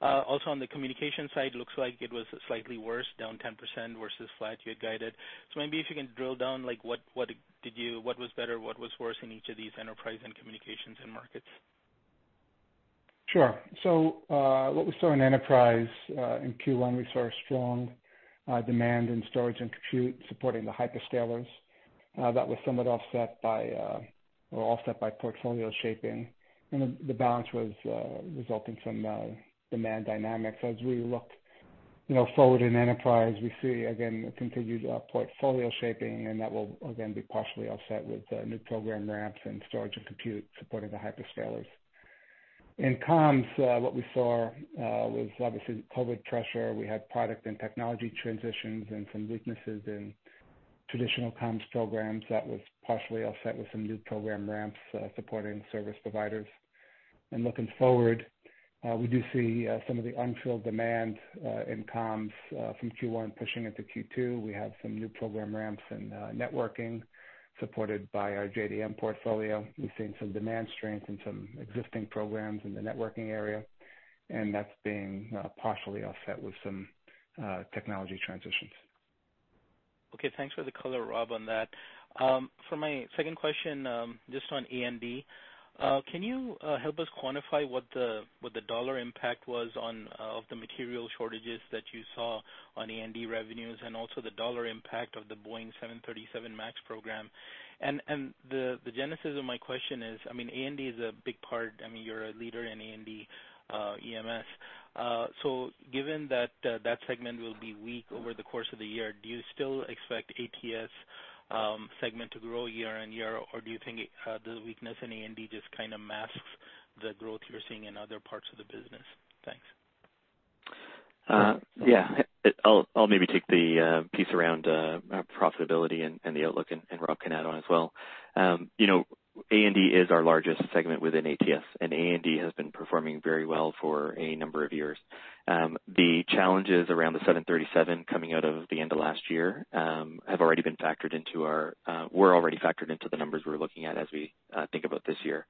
Also on the communication side, looks like it was slightly worse, down 10% versus flat you had guided. Maybe if you can drill down, what was better, what was worse in each of these enterprise and communications end markets? Sure. What we saw in enterprise in Q1, we saw a strong demand in storage and compute supporting the hyperscalers. That was somewhat offset by portfolio shaping, and the balance was resulting from demand dynamics. As we look forward in enterprise, we see again a continued portfolio shaping, and that will again be partially offset with new program ramps and storage and compute supporting the hyperscalers. In comms, what we saw was obviously the COVID pressure. We had product and technology transitions and some weaknesses in traditional comms programs that was partially offset with some new program ramps supporting service providers. Looking forward, we do see some of the unfilled demand in comms from Q1 pushing into Q2. We have some new program ramps and networking supported by our JDM portfolio. We've seen some demand strength in some existing programs in the networking area, and that's being partially offset with some technology transitions. Okay. Thanks for the color, Rob, on that. For my second question, just on A&D. Can you help us quantify what the dollar impact was of the material shortages that you saw on A&D revenues and also the dollar impact of the Boeing 737 MAX program? The genesis of my question is, A&D is a big part, you're a leader in A&D EMS. Given that that segment will be weak over the course of the year, do you still expect ATS segment to grow year-on-year, or do you think the weakness in A&D just kind of masks the growth you're seeing in other parts of the business? Thanks. Yeah. I'll maybe take the piece around profitability and the outlook, and Rob can add on as well. A&D is our largest segment within ATS, and A&D has been performing very well for a number of years. The challenges around the 737 coming out of the end of last year were already factored into the numbers we're looking at as we think about this year.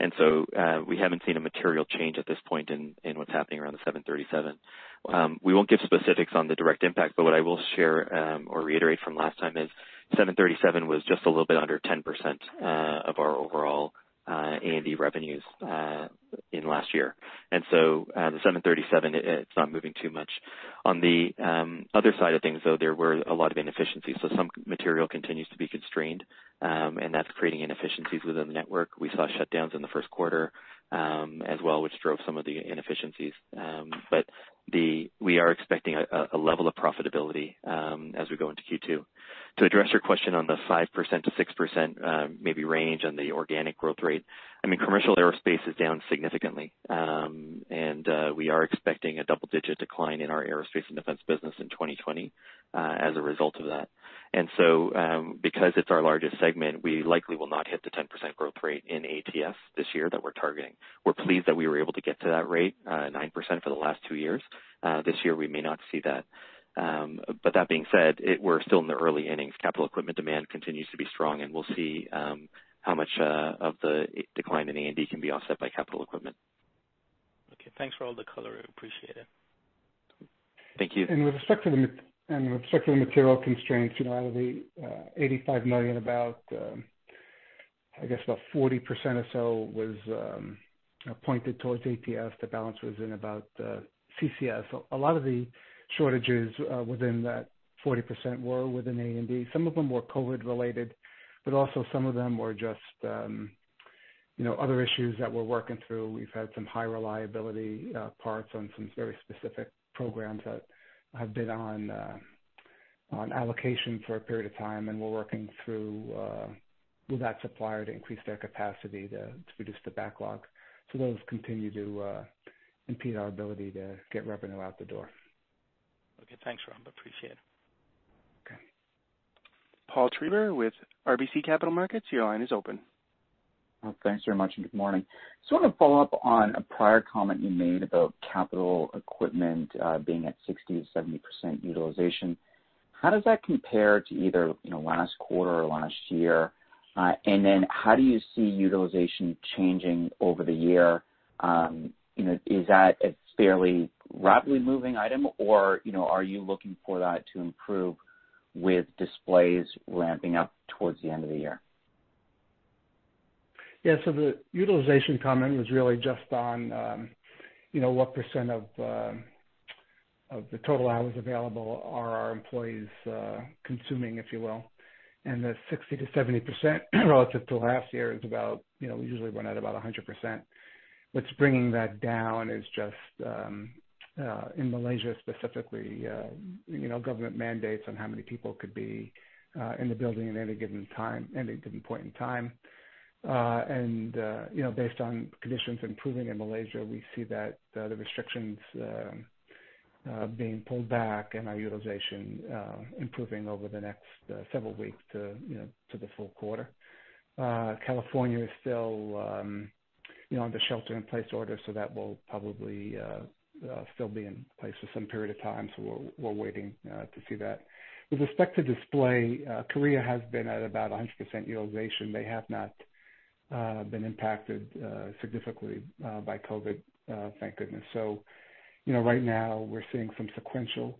We haven't seen a material change at this point in what's happening around the 737. We won't give specifics on the direct impact, but what I will share or reiterate from last time is 737 was just a little bit under 10% of our overall A&D revenues in last year. The 737, it's not moving too much. On the other side of things, though, there were a lot of inefficiencies. Some material continues to be constrained, and that's creating inefficiencies within the network. We saw shutdowns in the first quarter as well, which drove some of the inefficiencies. We are expecting a level of profitability as we go into Q2. To address your question on the 5%-6% maybe range on the organic growth rate. Commercial aerospace is down significantly. We are expecting a double-digit decline in our aerospace and defense business in 2020 as a result of that. Because it's our largest segment, we likely will not hit the 10% growth rate in ATS this year that we're targeting. We're pleased that we were able to get to that rate, 9% for the last two years. This year, we may not see that. That being said, we're still in the early innings. Capital equipment demand continues to be strong, and we'll see how much of the decline in A&D can be offset by capital equipment. Okay. Thanks for all the color. I appreciate it. Thank you. With respect to the material constraints, out of the $85 million, about I guess about 40% or so was pointed towards ATS. The balance was in about CCS. A lot of the shortages within that 40% were within A&D. Some of them were COVID related, but also some of them were just other issues that we're working through. We've had some high reliability parts on some very specific programs that have been on allocation for a period of time, and we're working through that supplier to increase their capacity to reduce the backlog. Those continue to impede our ability to get revenue out the door. Okay. Thanks, Rob. Appreciate it. Okay. Paul Treiber with RBC Capital Markets, your line is open. Thanks very much, and good morning. Just want to follow up on a prior comment you made about capital equipment being at 60%-70% utilization. How does that compare to either last quarter or last year? How do you see utilization changing over the year? Is that a fairly rapidly moving item, or are you looking for that to improve with displays ramping up towards the end of the year? The utilization comment was really just on what percent of the total hours available are our employees consuming, if you will. The 60%-70% relative to last year is about, we usually run at about 100%. What's bringing that down is just in Malaysia specifically, government mandates on how many people could be in the building at any given point in time. Based on conditions improving in Malaysia, we see that the restrictions being pulled back and our utilization improving over the next several weeks to the full quarter. California is still under shelter in place order, that will probably still be in place for some period of time. We're waiting to see that. With respect to display, Korea has been at about 100% utilization. They have not been impacted significantly by COVID-19, thank goodness. Right now we're seeing some sequential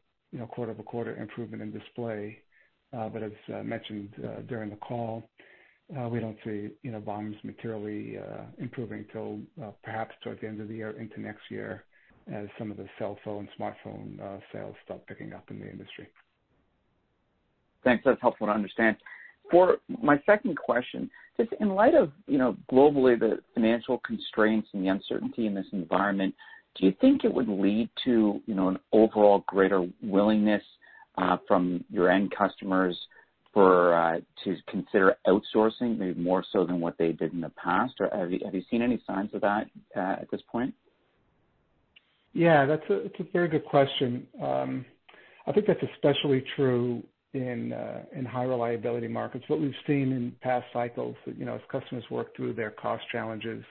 quarter-over-quarter improvement in display. As mentioned during the call, we don't see volumes materially improving until perhaps towards the end of the year into next year as some of the cell phone, smartphone sales start picking up in the industry. Thanks. That's helpful to understand. For my second question, just in light of globally the financial constraints and the uncertainty in this environment, do you think it would lead to an overall greater willingness from your end customers to consider outsourcing maybe more so than what they did in the past? Have you seen any signs of that at this point? Yeah, that's a very good question. I think that's especially true in high reliability markets. What we've seen in past cycles, as customers work through their cost challenges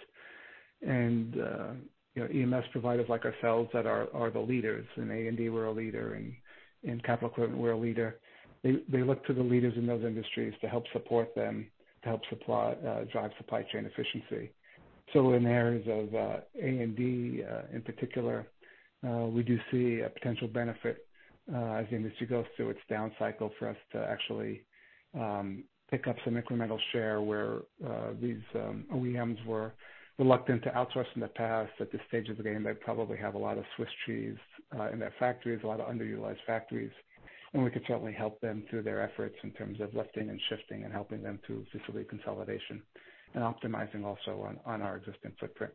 and EMS providers like ourselves that are the leaders, in A&D we're a leader, in capital equipment we're a leader. They look to the leaders in those industries to help support them, to help drive supply chain efficiency. In areas of A&D in particular, we do see a potential benefit as the industry goes through its down cycle for us to actually pick up some incremental share where these OEMs were reluctant to outsource in the past. At this stage of the game, they probably have a lot of Swiss cheese in their factories, a lot of underutilized factories, and we could certainly help them through their efforts in terms of lifting and shifting and helping them through facility consolidation and optimizing also on our existing footprint.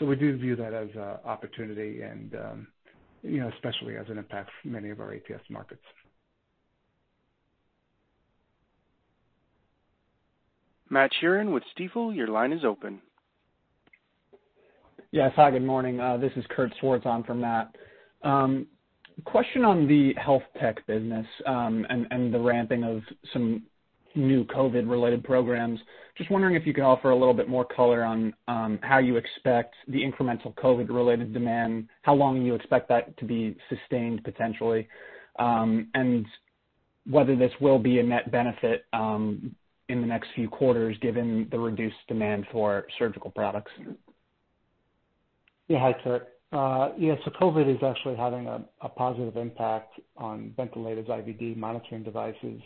We do view that as an opportunity and especially as it impacts many of our ATS markets. Matthew Sheerin with Stifel, your line is open. Yes. Hi, good morning. This is Kurt Swartz on from Matt. Question on the HealthTech business, and the ramping of some new COVID related programs. Just wondering if you could offer a little bit more color on how you expect the incremental COVID related demand, how long you expect that to be sustained potentially, and whether this will be a net benefit in the next few quarters given the reduced demand for surgical products. Yeah. Hi, Kurt. COVID-19 is actually having a positive impact on ventilators, IVD monitoring devices.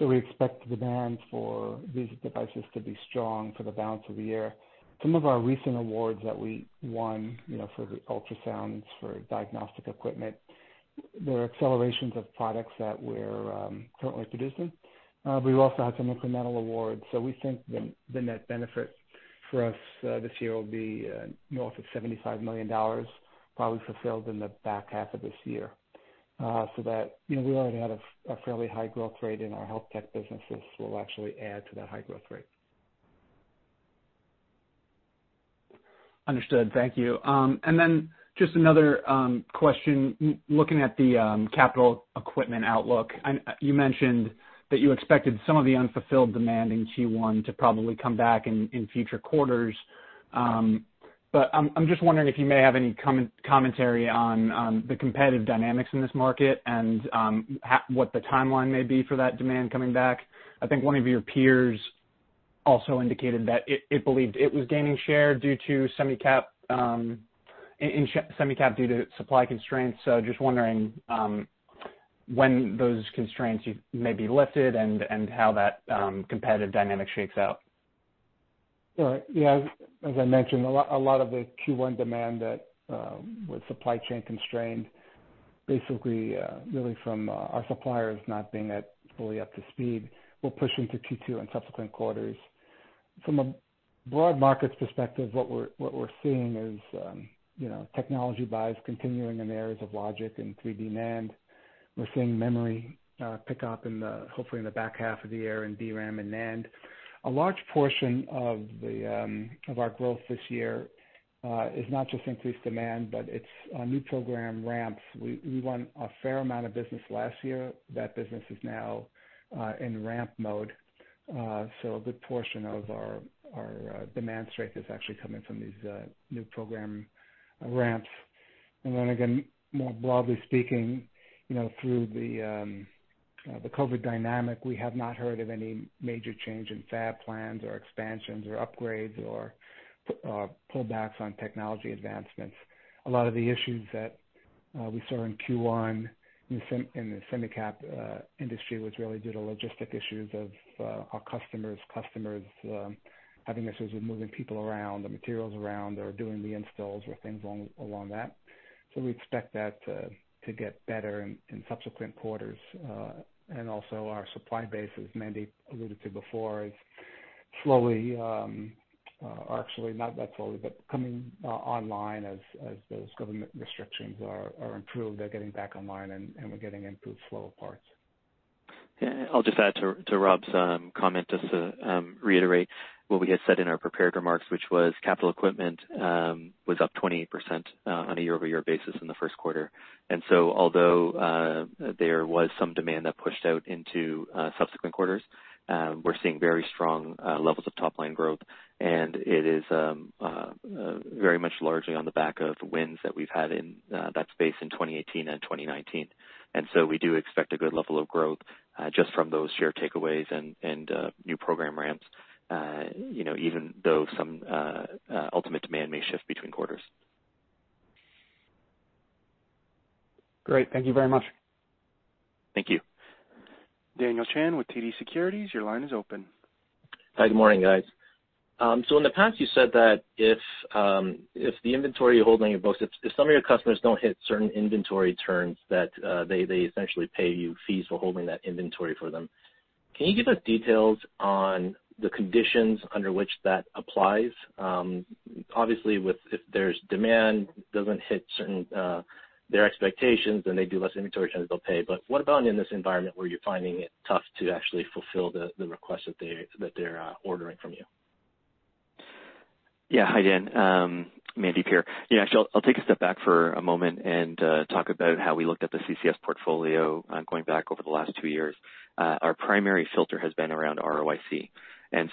We expect demand for these devices to be strong for the balance of the year. Some of our recent awards that we won for the ultrasounds, for diagnostic equipment, they're accelerations of products that we're currently producing. We also have some incremental awards. We think the net benefit for us this year will be north of $75 million, probably fulfilled in the back half of this year. We already had a fairly high growth rate in our HealthTech businesses, we'll actually add to that high growth rate. Understood. Thank you. Just another question, looking at the capital equipment outlook, you mentioned that you expected some of the unfulfilled demand in Q1 to probably come back in future quarters. I'm just wondering if you may have any commentary on the competitive dynamics in this market and what the timeline may be for that demand coming back. I think one of your peers also indicated that it believed it was gaining share in Semicap due to supply constraints. Just wondering when those constraints may be lifted and how that competitive dynamic shakes out. Yeah. As I mentioned, a lot of the Q1 demand that was supply chain constrained, basically really from our suppliers not being that fully up to speed, will push into Q2 and subsequent quarters. From a broad market perspective, what we're seeing is technology buys continuing in areas of logic and 3D NAND. We're seeing memory pick up hopefully in the back half of the year in DRAM and NAND. A large portion of our growth this year is not just increased demand, but it's new program ramps. We won a fair amount of business last year. That business is now in ramp mode. A good portion of our demand strength is actually coming from these new program ramps. Then again, more broadly speaking, through the COVID dynamic, we have not heard of any major change in fab plans or expansions or upgrades or pullbacks on technology advancements. A lot of the issues that we saw in Q1 in the Semicap industry was really due to logistic issues of our customers' customers having issues with moving people around, the materials around, or doing the installs or things along that. We expect that to get better in subsequent quarters. Also our supply base, as Mandeep alluded to before, is slowly, or actually not that slowly, but coming online as those government restrictions are improved. They're getting back online, and we're getting improved flow of parts. Yeah. I'll just add to Rob's comment just to reiterate what we had said in our prepared remarks, which was capital equipment was up 28% on a year-over-year basis in the first quarter. Although there was some demand that pushed out into subsequent quarters, we're seeing very strong levels of top-line growth, and it is very much largely on the back of wins that we've had in that space in 2018 and 2019. We do expect a good level of growth just from those share takeaways and new program ramps even though some ultimate demand may shift between quarters. Great. Thank you very much. Thank you. Daniel Chan with TD Securities, your line is open. Hi, good morning, guys. In the past, you said that if the inventory you hold on your books, if some of your customers don't hit certain inventory turns that they essentially pay you fees for holding that inventory for them. Can you give us details on the conditions under which that applies? Obviously, if there's demand doesn't hit their expectations, then they do less inventory turns, they'll pay. What about in this environment where you're finding it tough to actually fulfill the request that they're ordering from you? Hi, Dan. Mandeep here. Actually, I'll take a step back for a moment and talk about how we looked at the CCS portfolio going back over the last two years. Our primary filter has been around ROIC.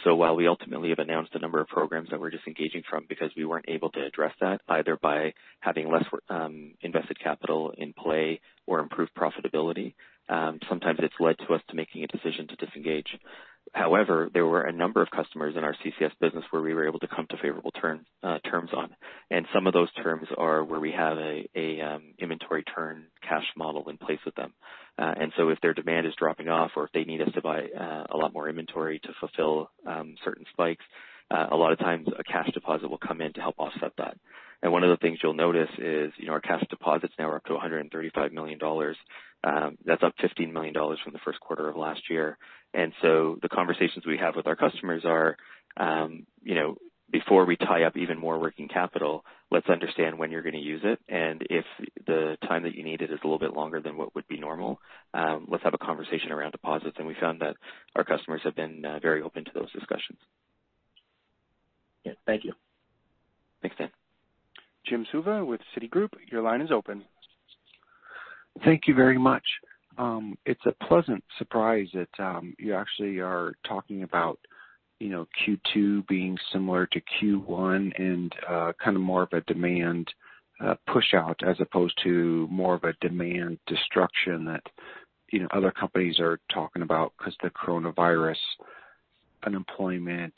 While we ultimately have announced a number of programs that we're disengaging from because we weren't able to address that, either by having less invested capital in play or improved profitability, sometimes it's led to us to making a decision to disengage. However, there were a number of customers in our CCS business where we were able to come to favorable terms on, and some of those terms are where we have an inventory turn cash model in place with them. If their demand is dropping off or if they need us to buy a lot more inventory to fulfill certain spikes, a lot of times a cash deposit will come in to help offset that. One of the things you'll notice is our cash deposits now are up to $235 million. That's up $15 million from the first quarter of last year. The conversations we have with our customers are, before we tie up even more working capital, let's understand when you're going to use it, and if the time that you need it is a little bit longer than what would be normal, let's have a conversation around deposits, and we found that our customers have been very open to those discussions. Yeah, thank you. Thanks, Dan. Jim Suva with Citigroup. Your line is open. Thank you very much. It's a pleasant surprise that you actually are talking about Q2 being similar to Q1 and kind of more of a demand push out as opposed to more of a demand destruction that other companies are talking about because the coronavirus unemployment,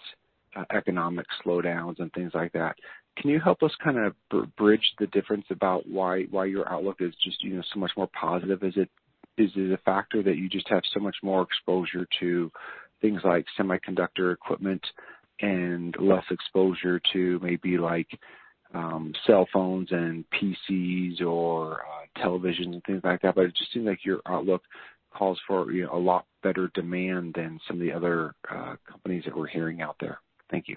economic slowdowns, and things like that. Can you help us kind of bridge the difference about why your outlook is just so much more positive? Is it a factor that you just have so much more exposure to things like semiconductor equipment and less exposure to maybe cell phones and PCs or television and things like that? It just seems like your outlook calls for a lot better demand than some of the other companies that we're hearing out there. Thank you.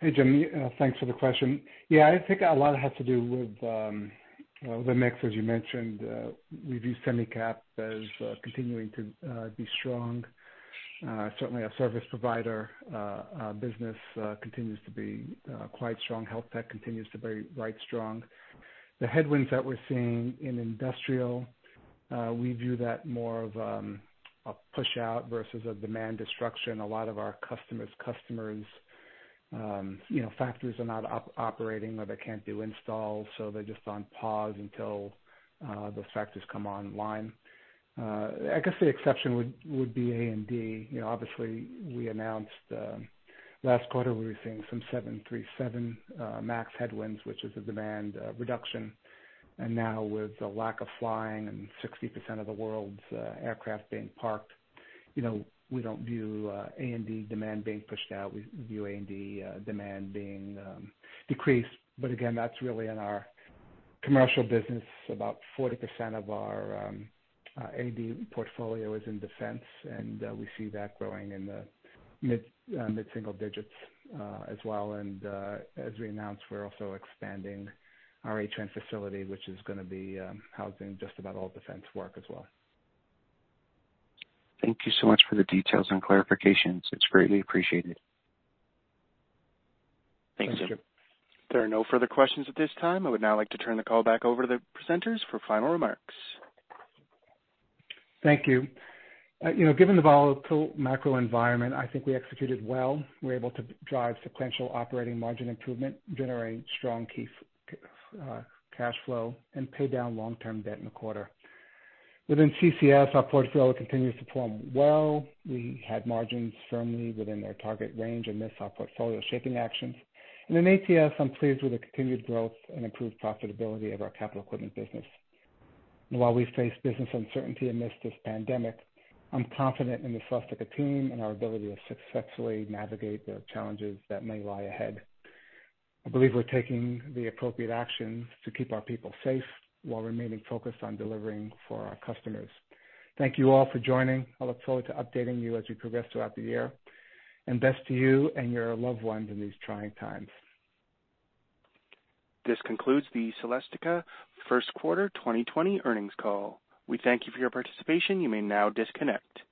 Hey, Jim. Thanks for the question. Yeah, I think a lot has to do with the mix, as you mentioned. We view Semicap as continuing to be strong. Certainly, our service provider business continues to be quite strong. HealthTech continues to be right strong. The headwinds that we're seeing in industrial, we view that more of a push out versus a demand destruction. A lot of our customers' customers factories are not operating, or they can't do installs, so they're just on pause until those factories come online. I guess the exception would be A&D. Obviously, we announced last quarter we were seeing some 737 MAX headwinds, which is a demand reduction. Now with the lack of flying and 60% of the world's aircraft being parked, we don't view A&D demand being pushed out. We view A&D demand being decreased. Again, that's really in our commercial business. About 40% of our A&D portfolio is in defense, and we see that growing in the mid-single digits as well. As we announced, we're also expanding our Atrenne facility, which is going to be housing just about all defense work as well. Thank you so much for the details and clarifications. It's greatly appreciated. Thanks, Jim. There are no further questions at this time. I would now like to turn the call back over to the presenters for final remarks. Thank you. Given the volatile macro environment, I think we executed well. We were able to drive sequential operating margin improvement, generate strong key cash flow, and pay down long-term debt in the quarter. Within CCS, our portfolio continues to perform well. We had margins firmly within their target range amidst our portfolio shaping actions. In ATS, I'm pleased with the continued growth and improved profitability of our capital equipment business. While we face business uncertainty amidst this pandemic, I'm confident in the Celestica team and our ability to successfully navigate the challenges that may lie ahead. I believe we're taking the appropriate actions to keep our people safe while remaining focused on delivering for our customers. Thank you all for joining. I look forward to updating you as we progress throughout the year. Best to you and your loved ones in these trying times. This concludes the Celestica first quarter 2020 earnings call. We thank you for your participation. You may now disconnect.